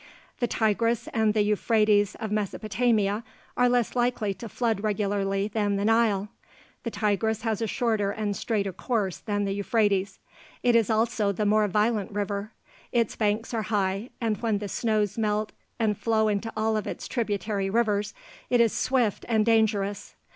The Tigris and the Euphrates of Mesopotamia are less likely to flood regularly than the Nile. The Tigris has a shorter and straighter course than the Euphrates; it is also the more violent river. Its banks are high, and when the snows melt and flow into all of its tributary rivers it is swift and dangerous.